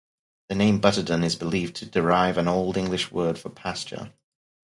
The name Butterdon is believed to derive an Old English word for "pasture".